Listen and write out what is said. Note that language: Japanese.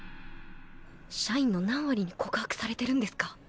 社員の何割に告白されてるんですか？